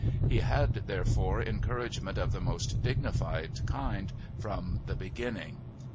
He had, therefore, encouragement of the most dignified kind from the beginning.